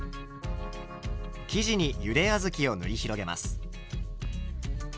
生地にゆであずきを塗り広げます。